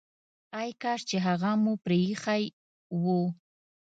ای کاش چي هغه مو پريښی وو!